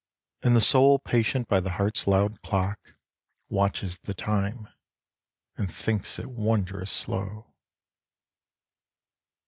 And the soul patient by the heart's loud clock Watches the time, and thinks it wondrous slow.